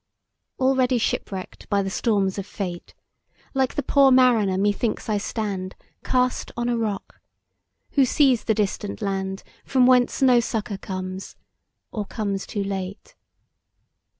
Already shipwreck'd by the storms of Fate, Like the poor mariner methinks I stand, Cast on a rock; who sees the distant land From whence no succour comes or comes too late.